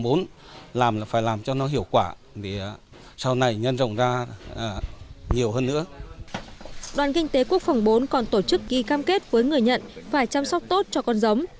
đoàn kinh tế quốc phòng bốn còn tổ chức ký cam kết với người nhận phải chăm sóc tốt cho con giống